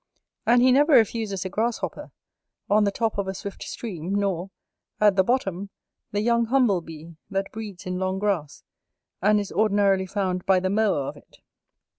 And he never refuses a grasshopper, on the top of a swift stream, nor, at the bottom, the young humble bee that breeds in long grass, and is ordinarily found by the mower of it.